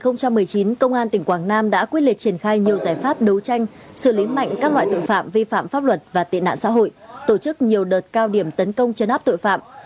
năm hai nghìn một mươi chín công an tỉnh quảng nam đã quyết liệt triển khai nhiều giải pháp đấu tranh xử lý mạnh các loại tội phạm vi phạm pháp luật và tệ nạn xã hội tổ chức nhiều đợt cao điểm tấn công chấn áp tội phạm